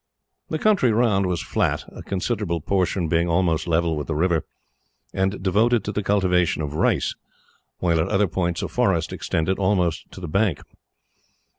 The country round was flat, a considerable portion being almost level with the river, and devoted to the cultivation of rice, while at other points a forest extended, almost to the bank.